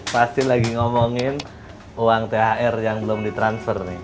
pasti lagi ngomongin uang thr yang belum ditransfer nih